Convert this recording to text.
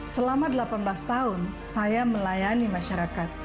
selama delapan belas tahun saya melayani masyarakat